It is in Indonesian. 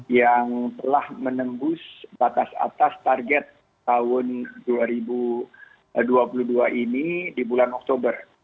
yang telah menembus batas atas target tahun dua ribu dua puluh dua ini di bulan oktober